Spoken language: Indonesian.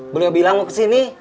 beliau bilang mau kesini